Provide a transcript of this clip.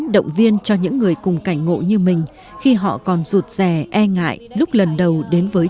đây là cháu đây cháu là khóe sắp chỉ ngang ngang hỏi